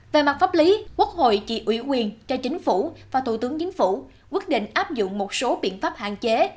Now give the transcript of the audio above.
về mặt pháp lý quốc hội chỉ ủy quyền cho chính phủ và thủ tướng chính phủ quyết định áp dụng một số biện pháp hạn chế